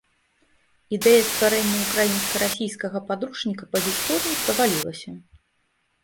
Ідэя стварэння ўкраінска-расійскага падручніка па гісторыі правалілася.